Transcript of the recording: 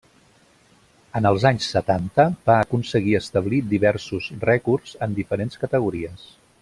En els anys setanta va aconseguir establir diversos rècords en diferents categories.